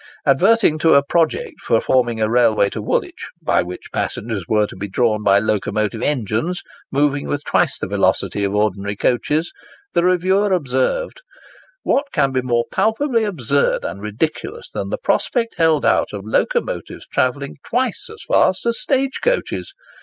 Adverting to a project for forming a railway to Woolwich, by which passengers were to be drawn by locomotive engines, moving with twice the velocity of ordinary coaches, the reviewer observed:—"What can be more palpably absurd and ridiculous than the prospect held out of locomotives travelling twice as fast as stagecoaches!